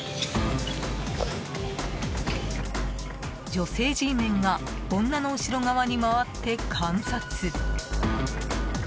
女性Ｇメンが女の後ろ側に回って観察。